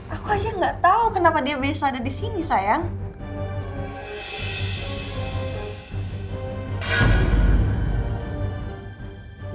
aku aja gak tau kenapa dia bisa ada disini sayang